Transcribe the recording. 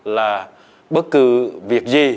là bất cứ việc gì